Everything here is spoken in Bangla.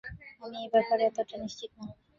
আমি এ ব্যাপারে এতটা নিশ্চিত না।